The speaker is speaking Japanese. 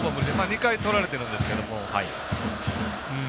２回とられてるんですけど。